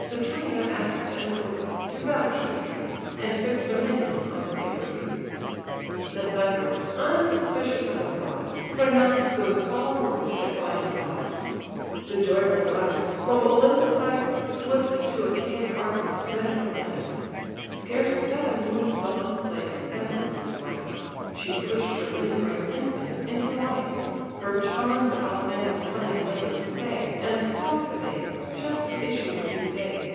Saturnia ask'd an oath, to vouch the truth, And fix dominion on the favour'd youth. The Thunderer, unsuspicious of the fraud, Pronounced those solemn words that bind a god. The joyful goddess, from Olympus' height, Swift to Achaian Argos bent her flight: Scarce seven moons gone, lay Sthenelus's wife; She push'd her lingering infant into life: Her charms Alcmena's coming labours stay, And stop the babe, just issuing to the day.